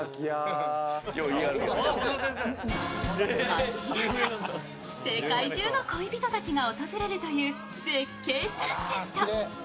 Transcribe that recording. こちらが世界中の恋人たちが訪れるという絶景サンセット。